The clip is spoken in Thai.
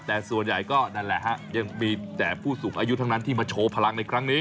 แต่ส่วนใหญ่ก็นั่นแหละฮะยังมีแต่ผู้สูงอายุทั้งนั้นที่มาโชว์พลังในครั้งนี้